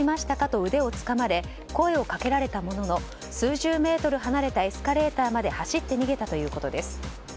と腕をつかまれ声をかけられたものの数十メートル離れたエスカレーターまで走って逃げたということです。